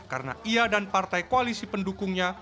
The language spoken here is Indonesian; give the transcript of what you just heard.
karena ia dan partai koalisi pendukungnya